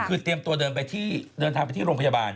คือเตรียมตัวเดินทางไปที่โรงพยาบาล